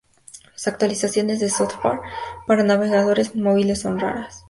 Las actualizaciones de software para navegadores móviles son raras.